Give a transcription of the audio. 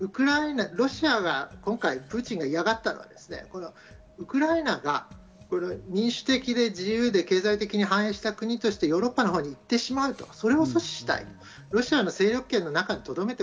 ロシアが今回、プーチンが嫌がったのはウクライナが民主的で自由で経済的に反映した国でヨーロッパのほうに行ってしまう、それを阻止したい。